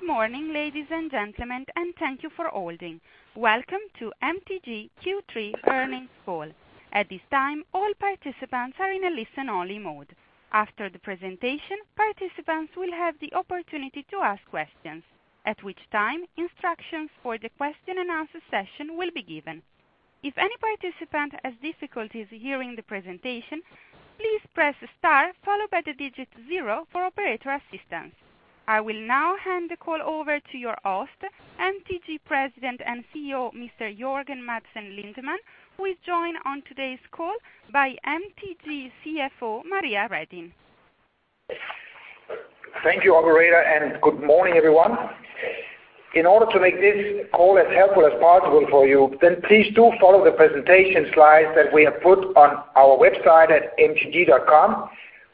Good morning, ladies and gentlemen, and thank you for holding. Welcome to MTG Q3 earnings call. At this time, all participants are in a listen-only mode. After the presentation, participants will have the opportunity to ask questions, at which time instructions for the question and answer session will be given. If any participant has difficulties hearing the presentation, please press star followed by the digit zero for operator assistance. I will now hand the call over to your host, MTG President and CEO, Mr. Jørgen Madsen Lindemann, who is joined on today's call by MTG CFO, Maria Redin. Thank you, operator, and good morning, everyone. In order to make this call as helpful as possible for you, please do follow the presentation slides that we have put on our website at mtg.com,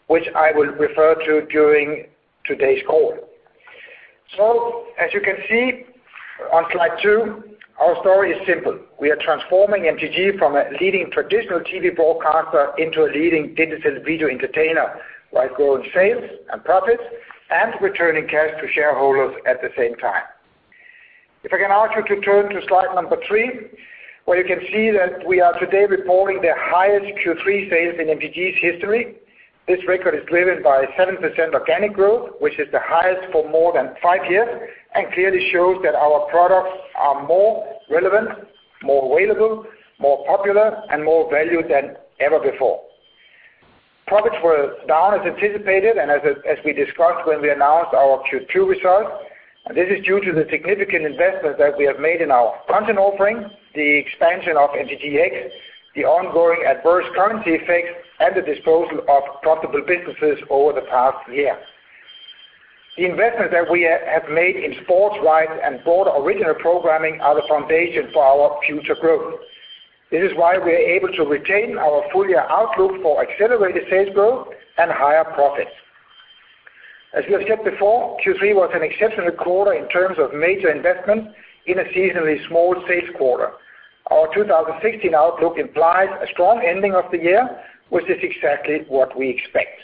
which I will refer to during today's call. As you can see on slide two, our story is simple. We are transforming MTG from a leading traditional TV broadcaster into a leading digital video entertainer, while growing sales and profits and returning cash to shareholders at the same time. If I can ask you to turn to slide number three, where you can see that we are today reporting the highest Q3 sales in MTG's history. This record is driven by 7% organic growth, which is the highest for more than five years and clearly shows that our products are more relevant, more available, more popular, and more valued than ever before. Profits were down as anticipated, and as we discussed when we announced our Q2 results, this is due to the significant investment that we have made in our content offering, the expansion of MTGx, the ongoing adverse currency effects, and the disposal of profitable businesses over the past year. The investments that we have made in sports rights and broader original programming are the foundation for our future growth. This is why we are able to retain our full-year outlook for accelerated sales growth and higher profits. As we have said before, Q3 was an exceptional quarter in terms of major investment in a seasonally small sales quarter. Our 2016 outlook implies a strong ending of the year, which is exactly what we expect.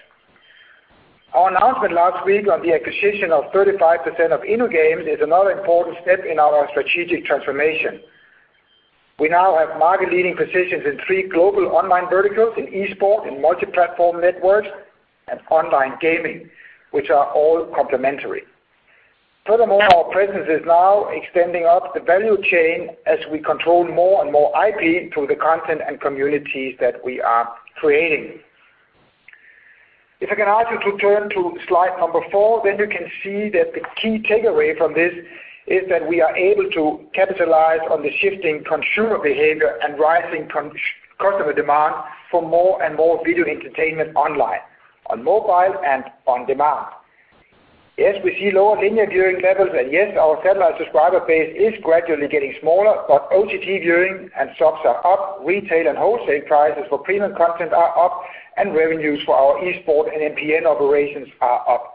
Our announcement last week on the acquisition of 35% of InnoGames is another important step in our strategic transformation. We now have market-leading positions in three global online verticals, in esports, in multi-platform networks, and online gaming, which are all complementary. Furthermore, our presence is now extending up the value chain as we control more and more IP through the content and communities that we are creating. If I can ask you to turn to slide number four, then you can see that the key takeaway from this is that we are able to capitalize on the shifting consumer behavior and rising customer demand for more and more video entertainment online, on mobile, and on demand. Yes, we see lower linear viewing levels, and yes, our satellite subscriber base is gradually getting smaller, but OTT viewing and subs are up, retail and wholesale prices for premium content are up, and revenues for our esports and MPN operations are up.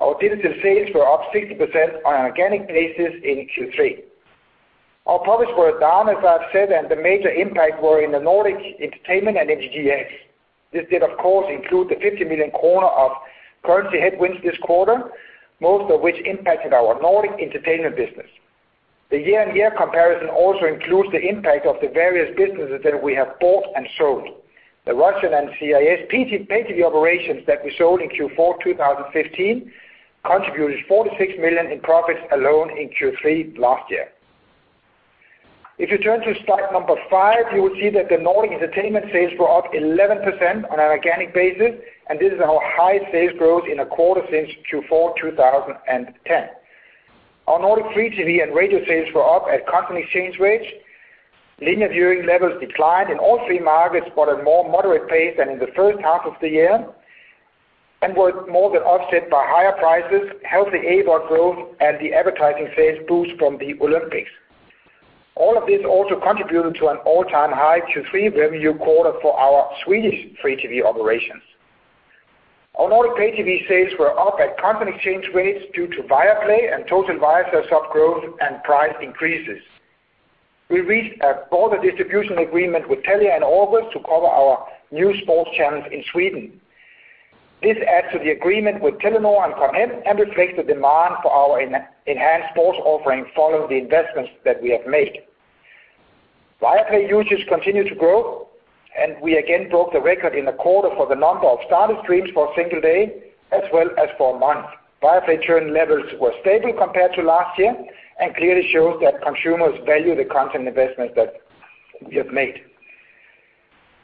Our digital sales were up 60% on an organic basis in Q3. Our profits were down, as I've said. The major impact were in the Nordic entertainment and MTGx. This did, of course, include the 50 million kronor of currency headwinds this quarter, most of which impacted our Nordic entertainment business. The year-on-year comparison also includes the impact of the various businesses that we have bought and sold. The Russian and CIS pay TV operations that we sold in Q4 2015 contributed 46 million in profits alone in Q3 last year. If you turn to slide number five, you will see that the Nordic entertainment sales were up 11% on an organic basis. This is our highest sales growth in a quarter since Q4 2010. Our Nordic free TV and radio sales were up at constant exchange rates. Linear viewing levels declined in all three markets, but at a more moderate pace than in the first half of the year and were more than offset by higher prices, healthy AVOD growth, and the advertising sales boost from the Olympics. All of this also contributed to an all-time high Q3 revenue quarter for our Swedish free TV operations. Our Nordic pay TV sales were up at constant exchange rates due to Viaplay and Total Viasat sub growth and price increases. We reached a broader distribution agreement with Telia and [Com Hem] to cover our new sports channels in Sweden. This adds to the agreement with Telenor and Com Hem and reflects the demand for our enhanced sports offering following the investments that we have made. Viaplay usage continued to grow. We again broke the record in the quarter for the number of started streams for a single day as well as for a month. Viaplay churn levels were stable compared to last year and clearly shows that consumers value the content investments that we have made.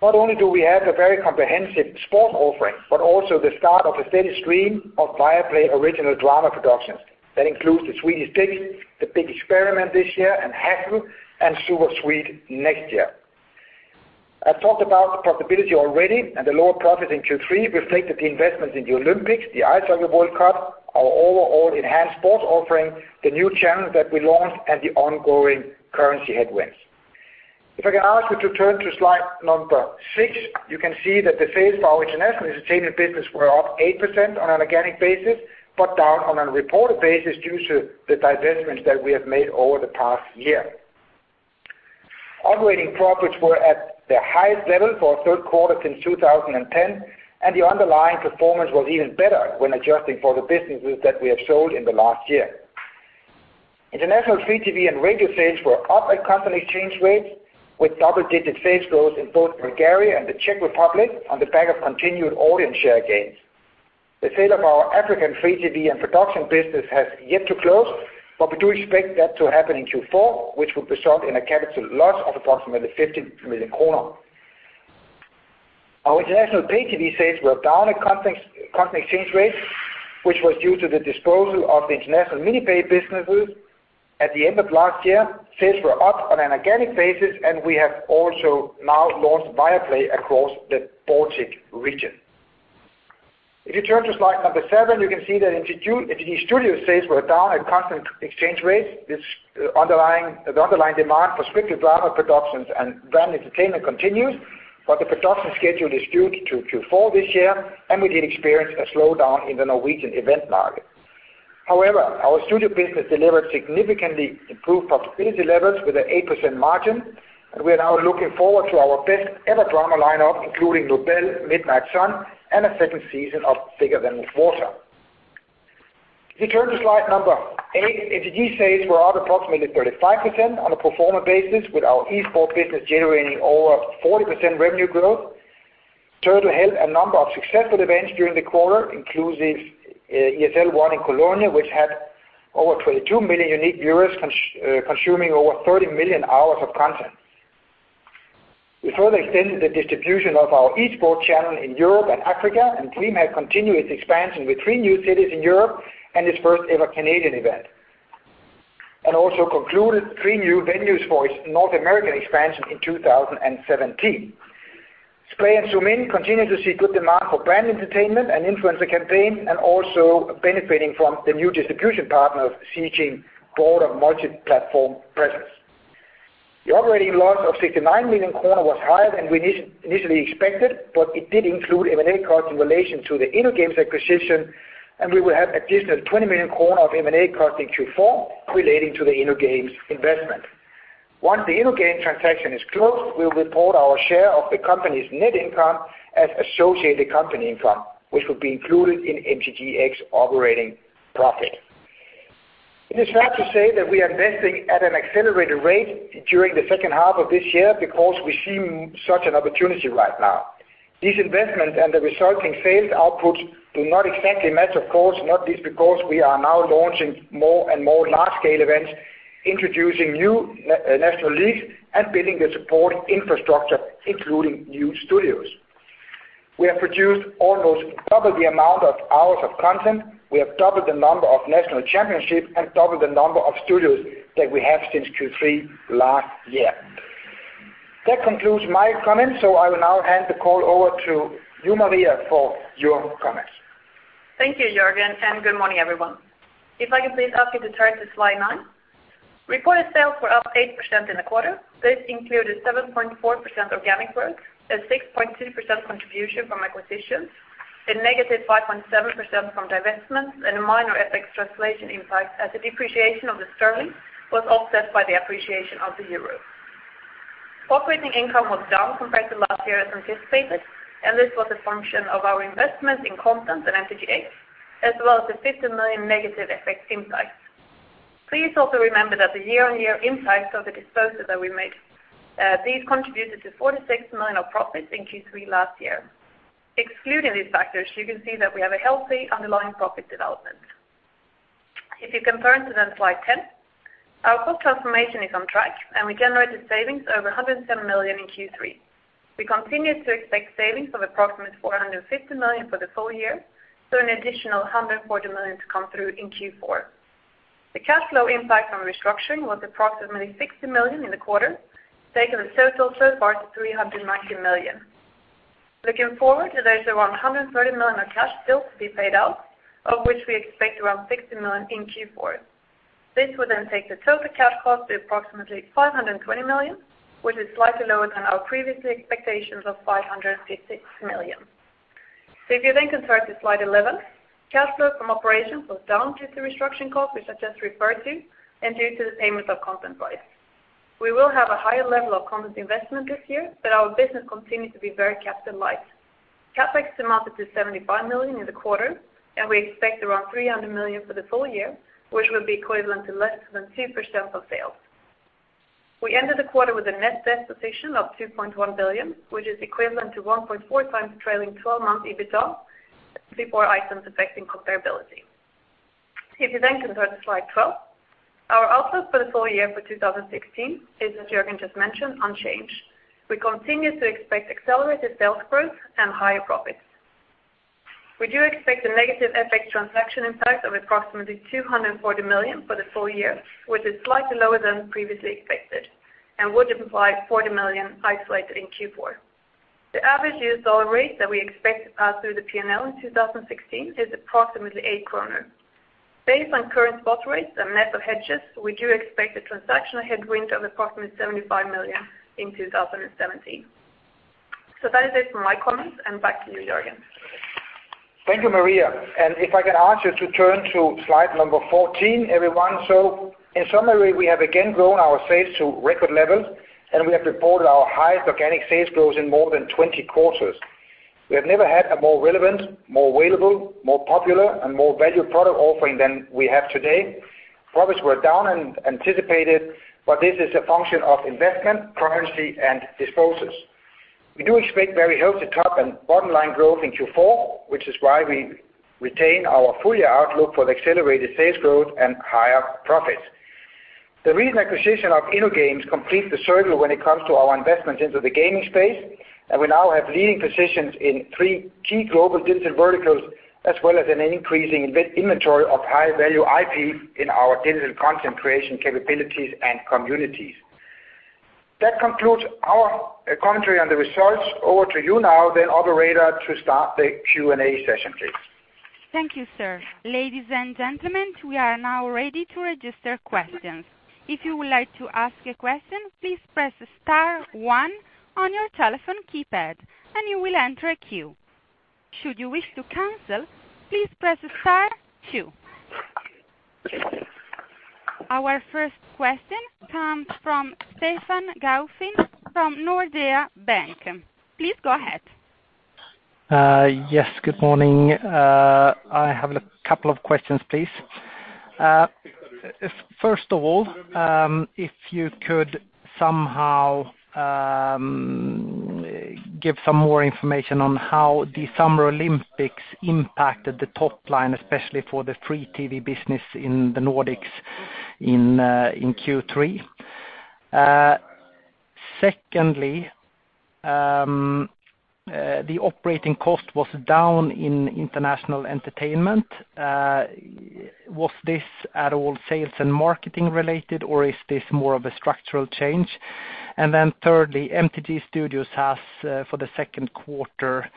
Not only do we have a very comprehensive sports offering, but also the start of a steady stream of Viaplay original drama productions. That includes Swedish Dicks, The Big Experiment this year, and Hassel and Super Sweet next year. I've talked about profitability already. The lower profit in Q3 reflected the investment in the Olympics, the World Cup of Hockey, our overall enhanced sports offering, the new channels that we launched, and the ongoing currency headwinds. If I can ask you to turn to slide number six, you can see that the sales for our international entertainment business were up 8% on an organic basis, but down on a reported basis due to the divestments that we have made over the past year. Operating profits were at their highest level for a third quarter since 2010. The underlying performance was even better when adjusting for the businesses that we have sold in the last year. International free TV and radio sales were up at company exchange rates, with double-digit sales growth in both Bulgaria and the Czech Republic on the back of continued audience share gains. The sale of our African free TV and production business has yet to close, but we do expect that to happen in Q4, which will result in a capital loss of approximately 50 million kronor. Our international pay TV sales were down at constant exchange rates, which was due to the disposal of the international mini-pay businesses at the end of last year. Sales were up on an organic basis. We have also now launched Viaplay across the Baltic region. If you turn to slide number seven, you can see that MTG Studios sales were down at constant exchange rates. The underlying demand for scripted drama productions and brand entertainment continues, but the production schedule is skewed to Q4 this year. We did experience a slowdown in the Norwegian event market. However, our studio business delivered significantly improved profitability levels with an 8% margin. We are now looking forward to our best-ever drama lineup, including "Nobel," "Midnight Sun," and a second season of "Thicker Than Water." If you turn to slide number eight, MTG sales were up approximately 35% on a pro forma basis, with our esports business generating over 40% revenue growth. Turtle held a number of successful events during the quarter, including ESL One in Cologne, which had over 22 million unique viewers consuming over 30 million hours of content. We further extended the distribution of our esports channel in Europe and Africa. DreamHack continued its expansion with three new cities in Europe and its first-ever Canadian event. Also concluded three new venues for its North American expansion in 2017. Splay and Zoomin continued to see good demand for brand entertainment and influencer campaigns. Also benefiting from the new distribution partners seeking broader multi-platform presence. The operating loss of 69 million was higher than we initially expected, but it did include M&A costs in relation to the InnoGames acquisition. We will have additional 20 million kronor of M&A costs in Q4 relating to the InnoGames investment. Once the InnoGames transaction is closed, we will report our share of the company's net income as associated company income, which will be included in MTGx operating profit. It is fair to say that we are investing at an accelerated rate during the second half of this year because we see such an opportunity right now. These investments and the resulting sales output do not exactly match, of course, not least because we are now launching more and more large-scale events, introducing new national leagues, and building the support infrastructure, including new studios. We have produced almost double the amount of hours of content. We have doubled the number of national championships and doubled the number of studios that we have since Q3 last year. That concludes my comments. I will now hand the call over to you, Maria, for your comments. Thank you, Jørgen, good morning, everyone. If I can please ask you to turn to slide nine. Reported sales were up 8% in the quarter. This included 7.4% organic growth, a 6.2% contribution from acquisitions, a negative 5.7% from divestments, a minor FX translation impact as the depreciation of the GBP was offset by the appreciation of the EUR. Operating income was down compared to last year, as anticipated. This was a function of our investment in content and MTGx, as well as the 50 million negative FX impact. Please also remember that the year-on-year impact of the disposals that we made, these contributed to 46 million of profits in Q3 last year. Excluding these factors, you can see that we have a healthy underlying profit development. Turning to slide 10, our cost transformation is on track. We generated savings over 107 million in Q3. We continue to expect savings of approximately 450 million for the full year, an additional 140 million to come through in Q4. The cash flow impact from restructuring was approximately 60 million in the quarter, taking the total so far to 390 million. Looking forward, there is around 130 million of cash still to be paid out, of which we expect around 60 million in Q4. This would take the total cash cost to approximately 520 million, which is slightly lower than our previous expectations of 556 million. Turning to slide 11, cash flow from operations was down due to restructuring costs, which I just referred to, due to the payments of content rights. We will have a higher level of content investment this year. Our business continues to be very capital light. CapEx amounted to 75 million in the quarter. We expect around 300 million for the full year, which will be equivalent to less than 2% of sales. We ended the quarter with a net debt position of 2.1 billion, which is equivalent to 1.4 times trailing 12-month EBITDA, before items affecting comparability. Turning to slide 12, our outlook for the full year for 2016 is, as Jørgen just mentioned, unchanged. We continue to expect accelerated sales growth and higher profits. We do expect a negative FX transaction impact of approximately 240 million for the full year, which is slightly lower than previously expected, would imply 40 million isolated in Q4. The average USD rate that we expect through the P&L in 2016 is approximately eight kroner. Based on current spot rates and net of hedges, we do expect a transactional headwind of approximately 75 million in 2017. That is it from my comments, back to you, Jørgen. Thank you, Maria. If I can ask you to turn to slide number 14, everyone. In summary, we have again grown our sales to record levels, and we have reported our highest organic sales growth in more than 20 quarters. We have never had a more relevant, more available, more popular, and more valued product offering than we have today. Profits were down and anticipated, this is a function of investment, currency, and disposals. We do expect very healthy top and bottom line growth in Q4, which is why we retain our full year outlook for the accelerated sales growth and higher profits. The recent acquisition of InnoGames completes the circle when it comes to our investments into the gaming space, and we now have leading positions in three key global digital verticals, as well as an increasing inventory of high-value IP in our digital content creation capabilities and communities. That concludes our commentary on the results. Over to you now then, operator, to start the Q&A session, please. Thank you, sir. Ladies and gentlemen, we are now ready to register questions. If you would like to ask a question, please press star one on your telephone keypad and you will enter a queue. Should you wish to cancel, please press star two. Our first question comes from Stefan Gauffin from Nordea Bank. Please go ahead. Yes, good morning. I have a couple of questions, please. First of all, if you could somehow give some more information on how the Summer Olympics impacted the top line, especially for the free TV business in the Nordics in Q3. Secondly, the operating cost was down in international entertainment. Was this at all sales and marketing related, or is this more of a structural change? Thirdly, MTG Studios has, for the second quarter,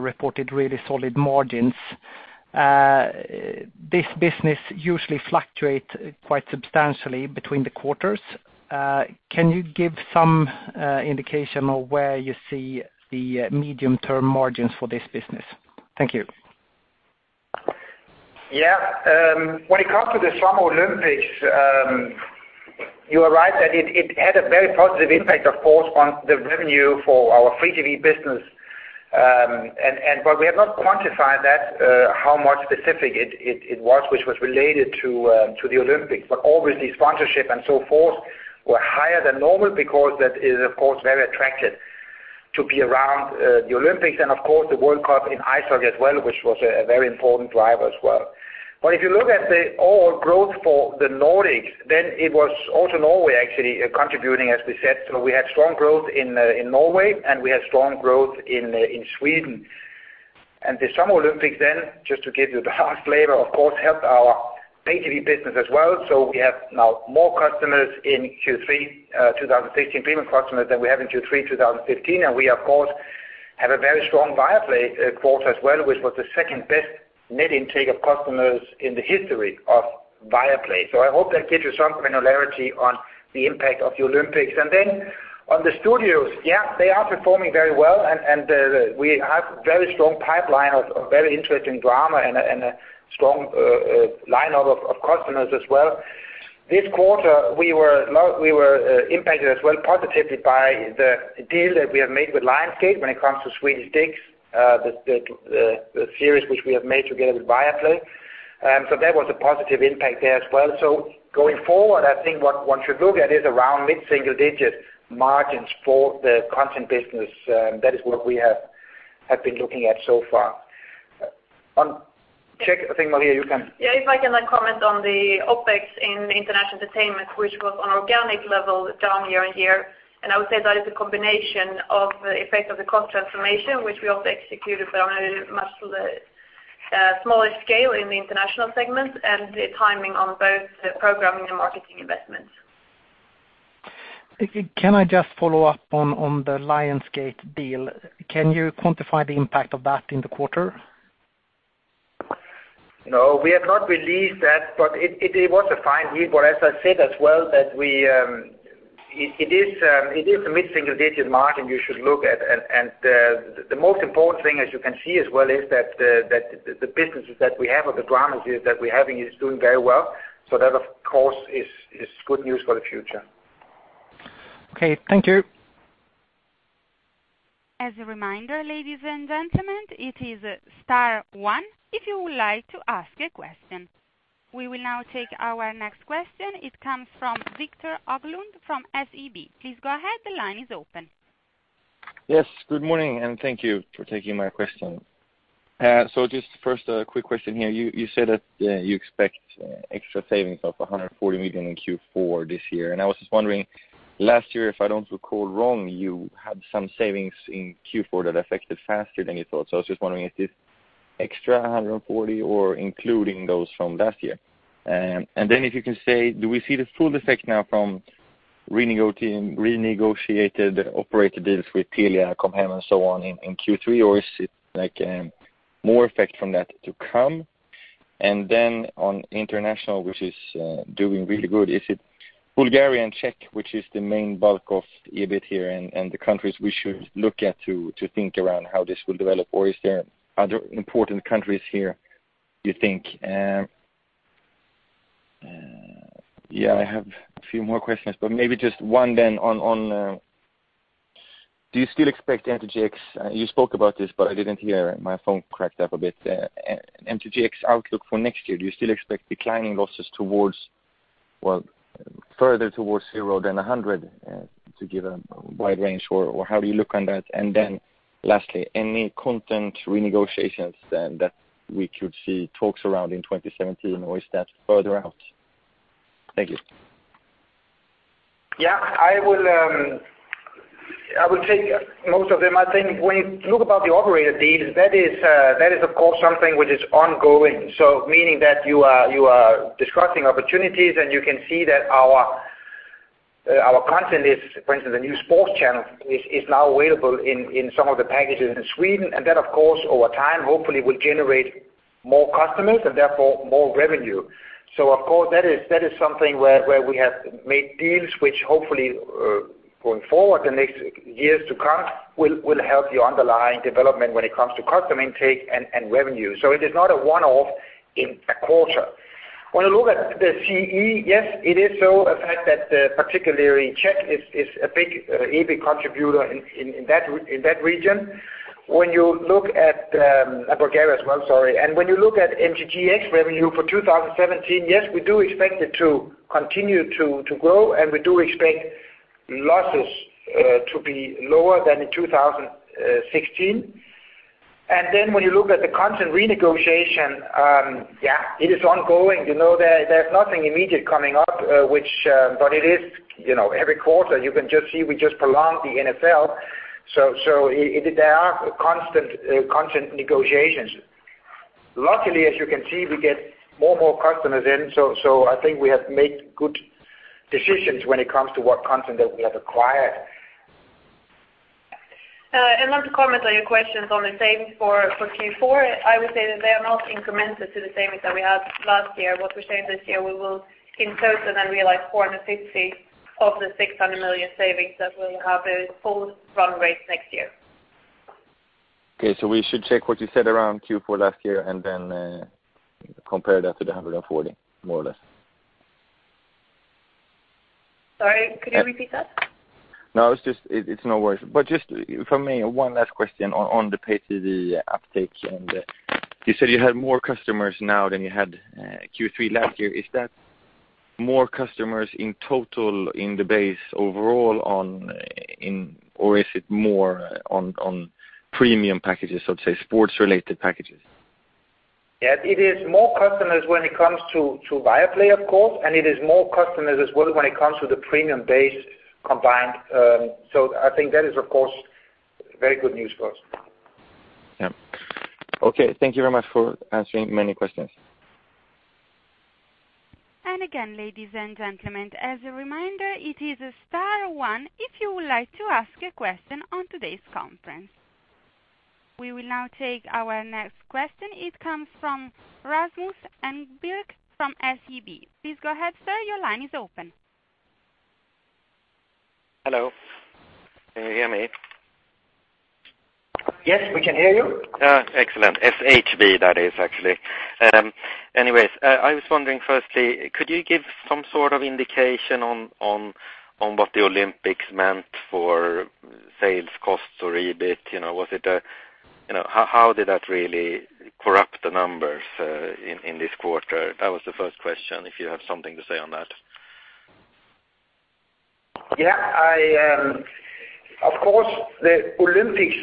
reported really solid margins. This business usually fluctuates quite substantially between the quarters. Can you give some indication of where you see the medium-term margins for this business? Thank you. Yeah. When it comes to the Summer Olympics, you are right that it had a very positive impact, of course, on the revenue for our free TV business. We have not quantified that, how much specific it was, which was related to the Olympics, but obviously sponsorship and so forth were higher than normal because that is, of course, very attractive to be around the Olympics and, of course, the World Cup of Hockey as well, which was a very important driver as well. If you look at the overall growth for the Nordics, it was also Norway actually contributing, as we said. We had strong growth in Norway and we had strong growth in Sweden. The Summer Olympics then, just to give you the hard numbers, of course, helped our pay TV business as well. We have now more customers in Q3 2016, premium customers, than we had in Q3 2015. We, of course, have a very strong Viaplay quarter as well, which was the second-best net intake of customers in the history of Viaplay. I hope that gives you some granularity on the impact of the Olympics. Then on the studios, they are performing very well, and we have a very strong pipeline of very interesting drama and a strong lineup of customers as well. This quarter, we were impacted as well positively by the deal that we have made with Lionsgate when it comes to "Swedish Dicks," the series which we have made together with Viaplay. That was a positive impact there as well. Going forward, I think what one should look at is around mid-single digit margins for the content business. That is what we have been looking at so far. I think, Maria, you can If I can comment on the OpEx in international entertainment, which was on organic level down year-on-year. I would say that is a combination of the effect of the cost transformation, which we also executed, but on a much smaller scale in the international segment, and the timing on both programming and marketing investments. Can I just follow up on the Lionsgate deal? Can you quantify the impact of that in the quarter? No, we have not released that, it was a fine deal. As I said as well, that it is a mid-single digit margin you should look at. The most important thing as you can see as well, is that the businesses that we have or the dramas that we're having is doing very well. That, of course, is good news for the future. Okay. Thank you. As a reminder, ladies and gentlemen, it is star one if you would like to ask a question. We will now take our next question. It comes from Victor Höglund from SEB. Please go ahead. The line is open. Yes, good morning, and thank you for taking my question. Just first a quick question here. You said that you expect extra savings of 140 million in Q4 this year. I was just wondering, last year, if I don't recall wrong, you had some savings in Q4 that affected faster than you thought. I was just wondering is this extra 140 million or including those from last year? If you can say, do we see the full effect now from renegotiated operator deals with Telia, Com Hem, and so on in Q3, or is it more effect from that to come? On international, which is doing really good, is it Bulgaria and Czech, which is the main bulk of EBIT here and the countries we should look at to think around how this will develop? Is there other important countries here you think? I have a few more questions, maybe just one then. Do you still expect MTGx. You spoke about this, but I didn't hear. My phone cracked up a bit. MTGx outlook for next year, do you still expect declining losses further towards zero than 100, to give a wide range, or how do you look on that? Lastly, any content renegotiations then that we could see talks around in 2017, or is that further out? Thank you. I will take most of them. I think when you look about the operator deals, that is of course something which is ongoing, meaning that you are discussing opportunities, you can see that our content, for instance, a new sports channel, is now available in some of the packages in Sweden. That, of course, over time, hopefully will generate more customers and therefore more revenue. Of course, that is something where we have made deals which hopefully, going forward the next years to come, will help the underlying development when it comes to customer intake and revenue. It is not a one-off in a quarter. When you look at the CEE, yes, it is so, a fact that particularly Czech is a big EBIT contributor in that region. Bulgaria as well, sorry. When you look at MTGx revenue for 2017, yes, we do expect it to continue to grow, and we do expect losses to be lower than in 2016. When you look at the content renegotiation, it is ongoing. There's nothing immediate coming up, but it is every quarter. You can just see we just prolonged the NFL. There are constant negotiations. Luckily, as you can see, we get more customers in. I think we have made good decisions when it comes to what content that we have acquired. Not to comment on your questions on the savings for Q4, I would say that they are not incremental to the savings that we had last year. What we're saying this year, we will in total then realize 450 million of the 600 million savings that we will have as full run rate next year. Okay. We should check what you said around Q4 last year and then compare that to the 140, more or less. Sorry, could you repeat that? No, it's no worries. Just from me, one last question on the pay TV uptake. You said you had more customers now than you had Q3 last year. Is that more customers in total in the base overall, or is it more on premium packages, so say, sports related packages? Yeah. It is more customers when it comes to Viaplay, of course, and it is more customers as well when it comes to the premium base combined. I think that is, of course, very good news for us. Yeah. Okay. Thank you very much for answering many questions. Again, ladies and gentlemen, as a reminder, it is star one if you would like to ask a question on today's conference. We will now take our next question. It comes from Rasmus Engberg from SHB. Please go ahead, sir. Your line is open. Hello. Can you hear me? Yes, we can hear you. Excellent. SHB, that is, actually. Anyways, I was wondering, firstly, could you give some sort of indication on what the Olympics meant for sales costs or EBIT? How did that really corrupt the numbers in this quarter? That was the first question, if you have something to say on that. Yeah. Of course, the Olympics,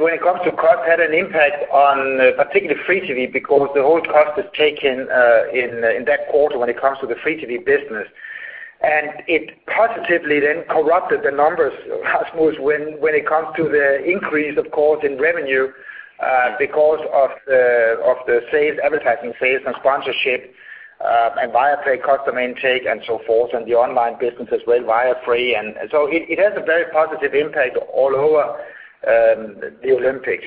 when it comes to cost, had an impact on particularly free TV because the whole cost is taken in that quarter when it comes to the free-to-TV business. It positively then corrupted the numbers, Rasmus, when it comes to the increase, of course, in revenue because of the advertising sales and sponsorship and Viaplay customer intake and so forth, and the online business as well, Viafree. So it has a very positive impact all over the Olympics.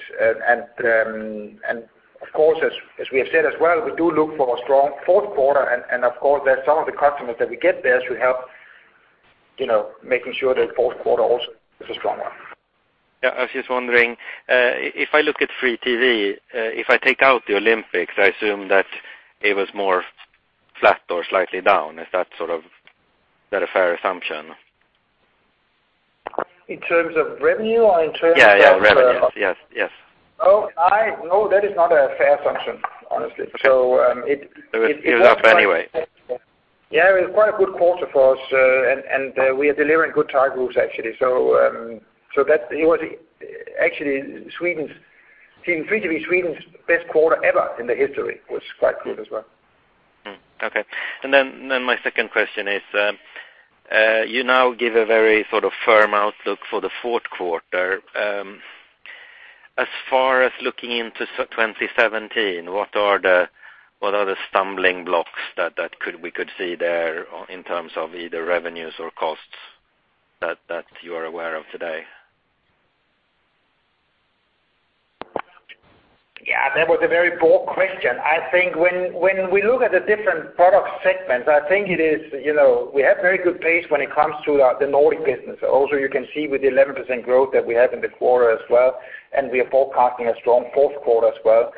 Of course, as we have said as well, we do look for a strong fourth quarter, and of course, some of the customers that we get there should help making sure that fourth quarter also is a strong one. Yeah. I was just wondering, if I look at free TV, if I take out the Olympics, I assume that it was more flat or slightly down. Is that a fair assumption? In terms of revenue or in terms of Yeah. Revenue. Yes. No. That is not a fair assumption, honestly. It It was up anyway. Yeah. It was quite a good quarter for us, and we are delivering good target groups, actually. It was actually seen free-to-TV Sweden's best quarter ever in the history. It was quite good as well. Okay. My second question is, you now give a very sort of firm outlook for the fourth quarter. As far as looking into 2017, what are the stumbling blocks that we could see there in terms of either revenues or costs that you are aware of today? Yeah, that was a very broad question. I think when we look at the different product segments, I think we have very good pace when it comes to the Nordic business. Also, you can see with the 11% growth that we have in the quarter as well, and we are forecasting a strong fourth quarter as well.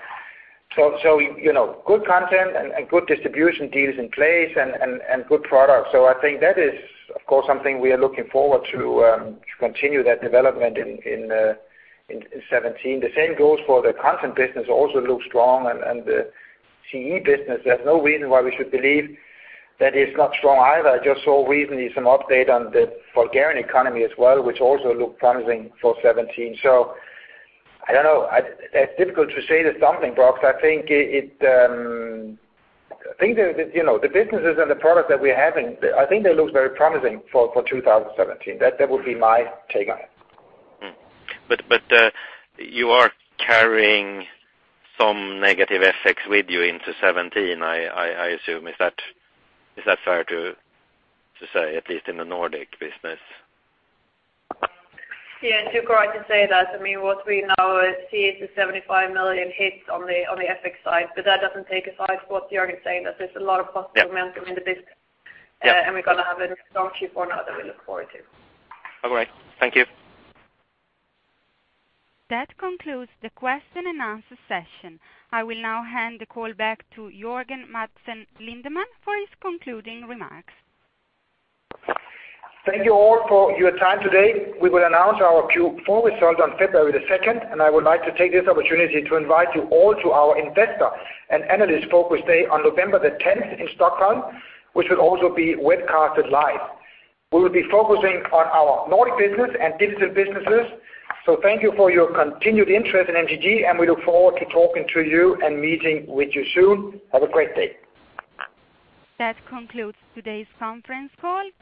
Good content and good distribution deals in place and good products. I think that is, of course, something we are looking forward to continue that development in 2017. The same goes for the content business, also looks strong, and the CEE business, there's no reason why we should believe that it's not strong either. I just saw recently some update on the Bulgarian economy as well, which also looked promising for 2017. I don't know. It's difficult to say the something, [about]. I think the businesses and the products that we're having, I think they look very promising for 2017. That would be my take on it. You are carrying some negative FX with you into 2017, I assume. Is that fair to say, at least in the Nordic business? Yeah, too correct to say that. What we now see is a 75 million hits on the FX side, but that doesn't take aside what Jørgen is saying, that there's a lot of positive momentum in the business. Yeah. We're going to have a strong Q4 that we look forward to. All right. Thank you. That concludes the question and answer session. I will now hand the call back to Jørgen Madsen Lindemann for his concluding remarks. Thank you all for your time today. We will announce our Q4 results on February the 2nd, and I would like to take this opportunity to invite you all to our investor and analyst focus day on November the 10th in Stockholm, which will also be webcasted live. We will be focusing on our Nordic business and digital businesses. Thank you for your continued interest in MTG, and we look forward to talking to you and meeting with you soon. Have a great day. That concludes today's conference call.